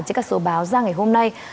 trên các số báo ra ngày hôm nay